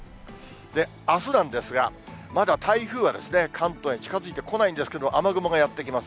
あすなんですが、まだ台風は関東に近づいてこないんですけれども、雨雲がやって来ます。